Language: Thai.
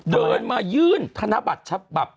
เดินมายื่นธนบัตรฉบับ